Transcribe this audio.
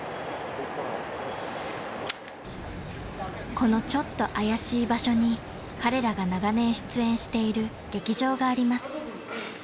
［このちょっと怪しい場所に彼らが長年出演している劇場があります］